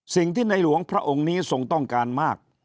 สิ่งที่ในหลวงพระองค์นี้ทรงต้องการมาก